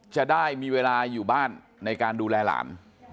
จะได้มีเวลาอยู่บ้านในการดูแลหลาน